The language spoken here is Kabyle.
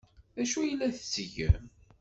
D acu ay la tettgem?